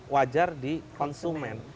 wajar di konsumen